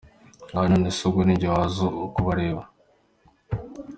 Ati “none se ubwo ni njye waza kubarebera”.